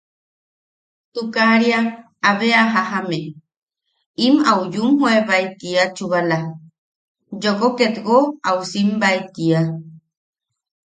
Tukaria abe a jajame, im au yumjoebae tiia chubala, yooko ket jakko au simbae tiia.